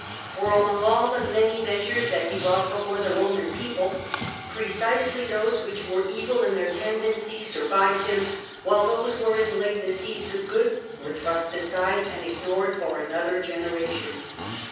For among all the many measures that he brought before the Eoman people, precisely those which were evil in their tendencies survived him, while those wherein lay the seeds of good were thrust aside and ignored for another generation.